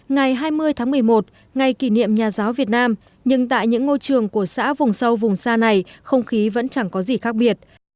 ngày hai mươi tháng một mươi một ngày kỷ niệm nhà giáo việt nam nhưng tại những ngôi trường của xã vùng sâu vùng xa này không khí vẫn chẳng có gì khác biệt